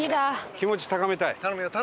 気持ち高めたい。